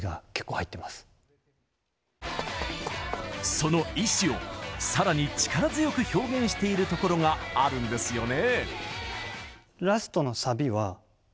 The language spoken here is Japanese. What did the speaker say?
その意思を、さらに力強く表現しているところがあるんですよね。